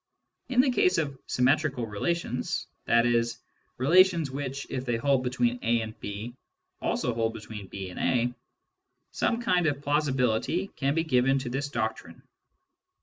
In the case of symmetrical relations — i.e. relations which, if they hold between A and B, also hold between B and A — some kind of plausibility can be given to this doctrine.